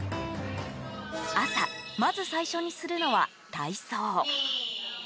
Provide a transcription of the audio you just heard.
朝、まず最初にするのは体操。